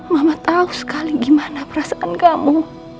mama tahu sekali gimana perasaan kamu